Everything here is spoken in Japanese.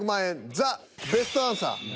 ザ・ベストアンサー。